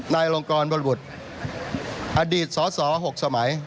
นายลงกรบริบุตรอดีตสส๖สมัย